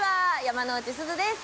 山之内すずです。